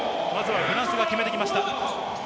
フランスがまずは決めてきました。